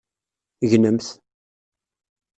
Gnemt!